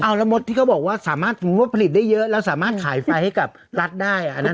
เอาแล้วมดที่เขาบอกว่าสามารถผลิตได้เยอะแล้วสามารถขายไฟให้กับรัฐได้